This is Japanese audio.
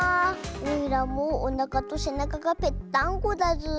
おいらもおなかとせなかがぺっタンゴだズー。